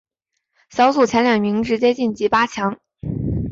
小组前两名直接晋级八强。